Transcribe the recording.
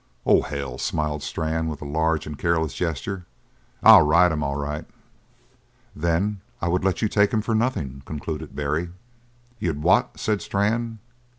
"Oh, hell," smiled Strann with a large and careless gesture, "I'll ride him, all right." "Then I would let you take him for nothing," concluded Barry. "You'd what?" said Strann.